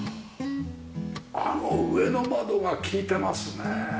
あの上の窓が利いてますね。